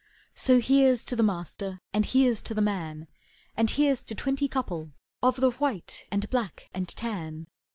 So here's to the master, And here's to the man! And here's to twenty couple Of the white and black and tan!